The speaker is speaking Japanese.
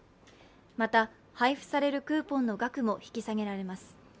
また、配布されるクーポンの額も引き下げられます。